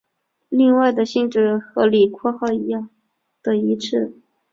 另外的性质和李括号的一致。